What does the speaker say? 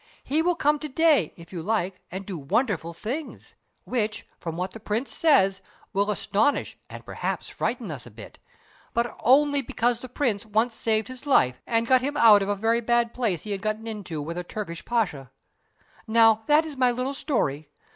He will come to day, if you like, and do wonderful things, which, from what the Prince says, will astonish and perhaps frighten us a bit, but only because the Prince once saved his life and got him out of a very bad place he had got into with a Turkish Pascha. Now, that is my little story.